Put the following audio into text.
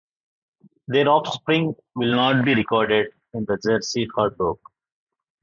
Their offspring will not be recorded in the Jersey herd book.